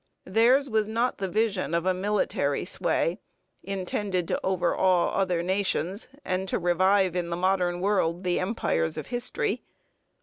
Theirs was not the vision of a military sway intended to overawe other nations and to revive in the modern world the empires of history.